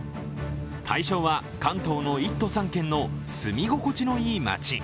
対象は関東の１都３県の住み心地のいい街。